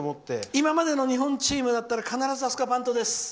今までの日本チームだったら、必ずあそこはバントです。